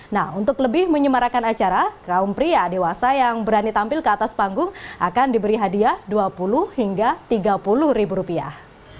nah untuk lebih menyemarakan acara kaum pria dewasa yang berani tampil ke atas panggung akan diberi hadiah dua puluh hingga tiga puluh ribu rupiah